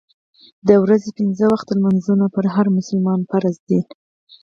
د ورځې پنځه وخته لمونځونه پر هر مسلمان فرض دي.